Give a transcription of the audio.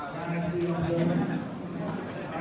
เนื้อ